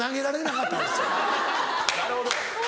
なるほど。